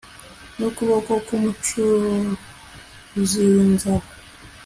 n'ukuboko k'umucuzi w'inzara